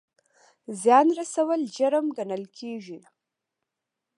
زیان رسول جرم ګڼل کیږي